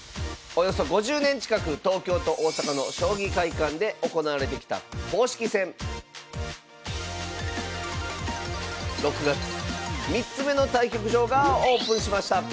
およそ５０年近く東京と大阪の将棋会館で行われてきた公式戦６月３つ目の対局場がオープンしました。